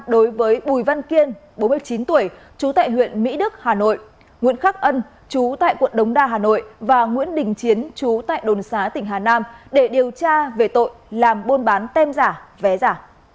đối với bùi văn kiên bốn mươi chín tuổi trú tại huyện mỹ đức hà nội nguyễn khắc ân chú tại quận đống đa hà nội và nguyễn đình chiến chú tại đồn xá tỉnh hà nam để điều tra về tội làm buôn bán tem giả vé giả